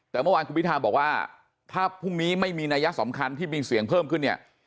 แต่เมื่อวานคุณพิทาบอกว่าถ้าพรุ่งนี้ไม่มีนัยสำคัญที่มีเสียงเพิ่มขึ้นเนี่ย